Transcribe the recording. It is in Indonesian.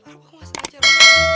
rob aku gak sengaja rob